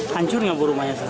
hancur nggak bu rumahnya